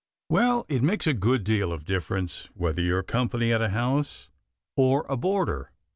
Well, it makes a good deal of difference whether you're company at a house or a boarder.